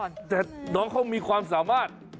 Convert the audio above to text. แต่น้องเขามีความสามารถ